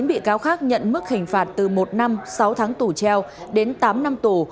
một mươi bị cáo khác nhận mức hình phạt từ một năm sáu tháng tù treo đến tám năm tù